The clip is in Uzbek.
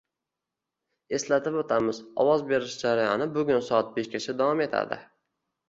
Eslatib oʻtamiz, ovoz berish jarayoni bugun soat beshgacha davom etadi.